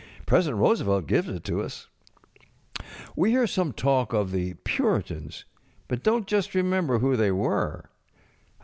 President Roosevelt gives it to us. We hear some talk of the Puritans, but donŌĆÖt just remember who they were.